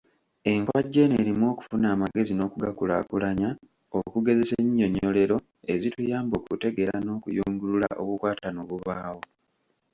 Enkwajja eno erimu okufuna amagezi n’okugakulaakulanya, okugezesa ennyinnyonnyolero ezituyamba okutegeera n’okuyungulula obukwatane obubaawo.